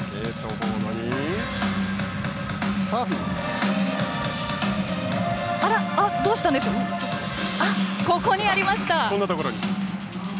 ここにありました。